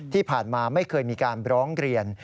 ที่ผ่านมาไม่เคยมีการร้องเรียน